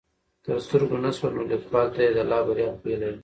تر سترګو نه شوه نو ليکوال ته يې د لا بريا په هيله يم